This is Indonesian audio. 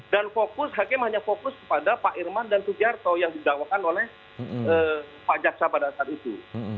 dan hakim hanya fokus kepada pak irman dan pak sugiarto yang didakwakan oleh pak jaksa pada saat itu